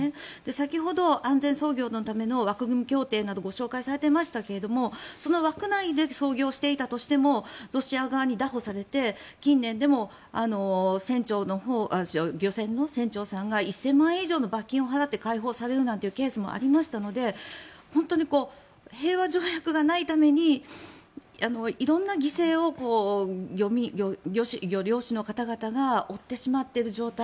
先ほど安全操業のための枠組み協定など紹介されていましたけれどその枠内で操業していたとしてもロシア側にだ捕されて近年でも漁船の船長さんが１０００万円以上の罰金を払って解放されるなんてケースもありましたので本当に平和条約がないために色んな犠牲を漁師の方々が負ってしまっている状態。